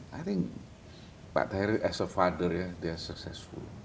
saya rasa pak tahir sebagai ayah dia sukses